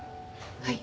はい。